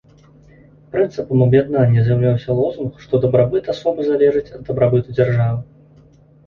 Прынцыпам аб'яднання з'яўляўся лозунг, што дабрабыт асобы залежыць ад дабрабыту дзяржавы.